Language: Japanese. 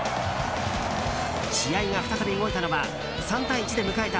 試合が再び動いたのは３対１で迎えた